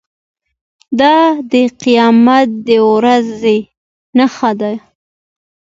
دا د قیامت د ورځې نښه ده.